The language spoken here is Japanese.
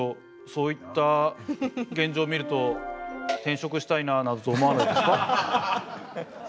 そういった現状を見ると転職したいなあなどと思わないですか？